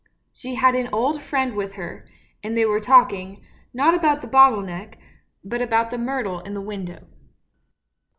She had an old friend with her, and they were talking, not about the bottle neck, but about the myrtle in the window.